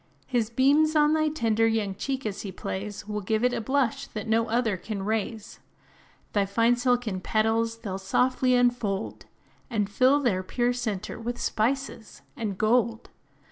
His beams, on thy tender young cheek as he plays, Will give it a blush that no other can raise; Thy fine silken petals they 'll softly unfold, And fill their pure centre with spices and gold.